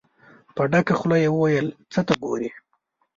په ډکه خوله يې وويل: څه ته ګورئ؟